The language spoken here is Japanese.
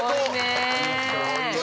すごいね。